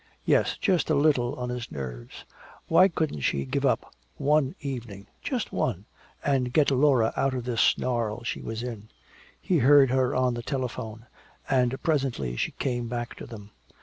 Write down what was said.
Yes, just a little on his nerves! Why couldn't she give up one evening, just one, and get Laura out of this snarl she was in? He heard her at the telephone, and presently she came back to them.